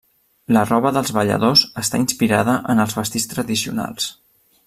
La roba dels balladors està inspirada en els vestits tradicionals.